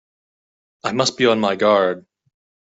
I must be on my guard!